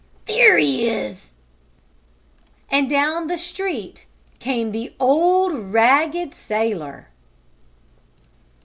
There he is!" And down the street came the old ragged sailor!